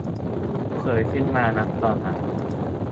สวยขึ้นมานักต่อนัก